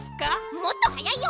もっとはやいよ。